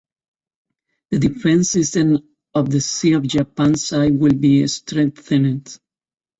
The defense system on the Sea of Japan side will be strengthened.